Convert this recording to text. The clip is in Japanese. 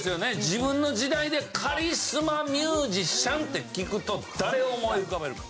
自分の時代でカリスマミュージシャンって聞くと誰を思い浮かべるか。